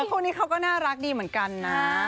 คู่นี้เขาก็น่ารักดีเหมือนกันนะ